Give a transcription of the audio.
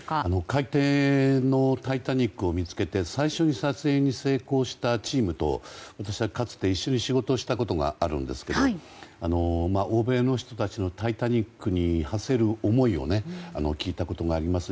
海底の「タイタニック」を見つけて最初に撮影に成功したチームと私はかつて一緒に仕事をしたことがあるんですけど欧米の人たちの「タイタニック」に馳せる思いを聞いたことがあります。